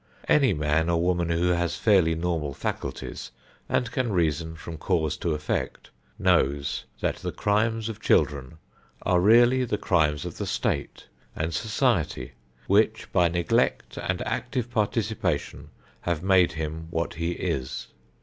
Any man or woman who has fairly normal faculties, and can reason from cause to effect, knows that the crimes of children are really the crimes of the State and society which by neglect and active participation have made him what he is.